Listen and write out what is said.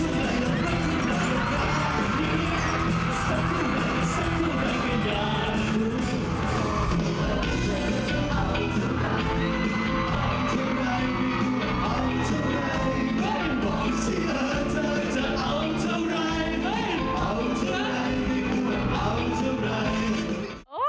จะเอาเท่าไหร่เฮ้ยเอาเท่าไหร่เอาเท่าไหร่